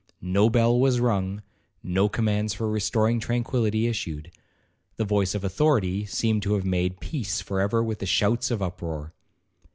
No bell was rung, no commands for restoring tranquillity issued; the voice of authority seemed to have made peace for ever with the shouts of up roar.